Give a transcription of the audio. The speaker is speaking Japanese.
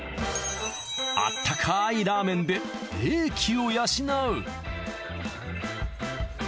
あったかいラーメンで英気を養う。